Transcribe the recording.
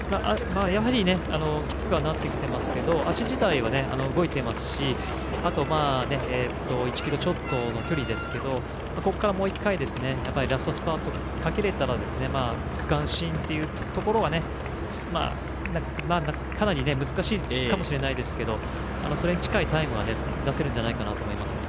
やはりきつくはなってきてますけど足自体は動いていますしあと１ｋｍちょっとの距離ですがここからもう１回ラストスパートをかけられたら区間新というところはかなり難しいかもしれないですがそれに近いタイムは出せるんじゃないかと思います。